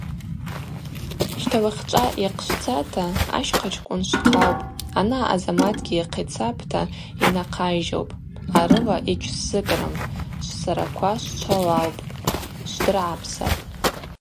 Щта уахьчӏва йахъшвцата Ащхъачкӏвын швхъалпӏ, анаъа Азаматгьи йахъицапӏта йнахъайжьылпӏ, арыла йгьшвзыкӏрым, швсараква швчвалалпӏ, швдрыгӏапсапӏ.